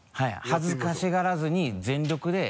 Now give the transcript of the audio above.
恥ずかしがらずに全力で。